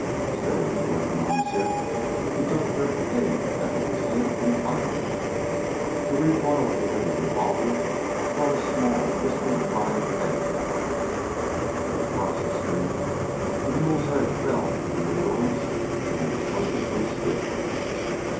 Steadying the weapon on his hip, he took careful aim at Hannibal's head and fired. The recoil of the heavy revolver brought a small, whistling cry of pain out of him. But across the stream, the mule's head fell from the willows, and he was mercifully still.